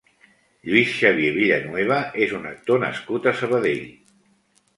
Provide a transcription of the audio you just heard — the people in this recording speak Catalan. Lluís Xavier Villanueva és un actor nascut a Sabadell.